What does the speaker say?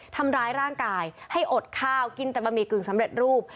ทำร้ายร่างกายให้อดข้าวกินแต่บะหมี่กึ่งสำเร็จรูป